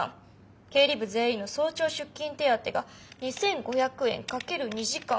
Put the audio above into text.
経理部全員の早朝出勤手当が２，５００円×２時間×３人分。